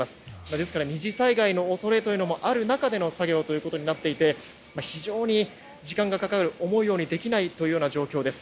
ですから２次災害の恐れもある中での作業ということになっていて非常に時間がかかる、思うようにできないというような状況です。